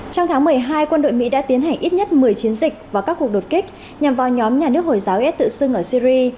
trong tháng một mươi hai quân đội mỹ đã tiến hành ít nhất một mươi chiến dịch và các cuộc đột kích nhằm vào nhóm nhà nước hồi giáo is tự xưng ở syri